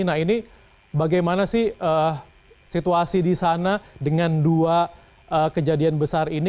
nah ini bagaimana sih situasi di sana dengan dua kejadian besar ini